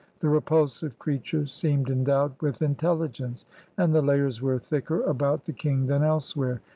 The repulsive creatures seemed endowed with intelligence, and the layers were thicker about the king than elsewhere.